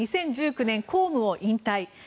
２０１９年公務を引退。